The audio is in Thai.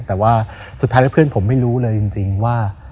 แต่ว่าสุดท้ายแล้วเพื่อนผมไม่รู้เลยจริงว่า